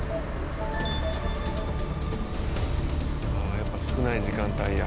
やっぱ少ない時間帯や。